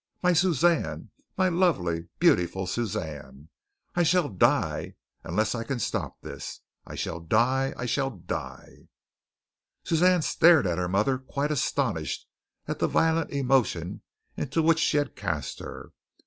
My Suzanne! My lovely, beautiful Suzanne! I shall die unless I can stop this! I shall die! I shall die!" Suzanne stared at her mother quite astonished at the violent emotion into which she had cast her.